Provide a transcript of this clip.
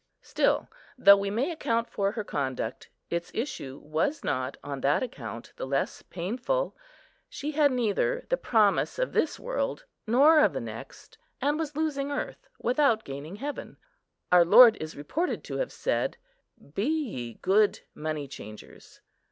Still, though we may account for her conduct, its issue was not, on that account, the less painful. She had neither the promise of this world, nor of the next, and was losing earth without gaining heaven. Our Lord is reported to have said, "Be ye good money changers."